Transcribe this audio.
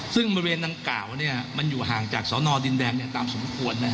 ซึ่งบริเวณดังกล่าวมันอยู่ห่างจากสนดินแดงตามสมควร